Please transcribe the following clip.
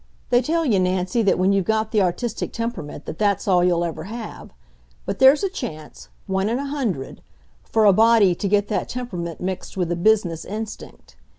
They tell you, Nancy, that when you've got the artistic temperament, that that's all you'll ever have. But there's a chance one in a hundred for a body to get that temperament mixed with a business instinct.